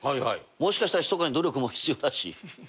もしかしたらひそかに努力も必要だし。